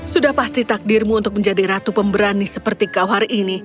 sudah pasti takdirmu untuk menjadi ratu pemberani seperti kau hari ini